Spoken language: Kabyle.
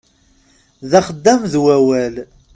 D axeddam d wawal.